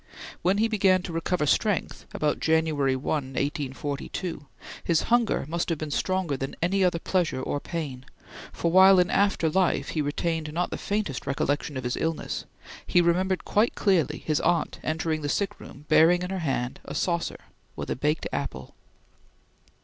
When he began to recover strength, about January 1, 1842, his hunger must have been stronger than any other pleasure or pain, for while in after life he retained not the faintest recollection of his illness, he remembered quite clearly his aunt entering the sickroom bearing in her hand a saucer with a baked apple.